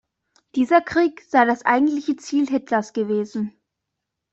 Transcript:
Dieser Krieg sei das eigentliche Ziel Hitlers gewesen.